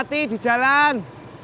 hati hati di jalan